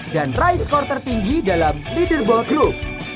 dan raise skor tertinggi dalam leaderboard group